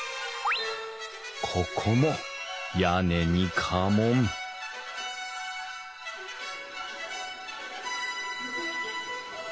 ここも屋根に家紋うわ。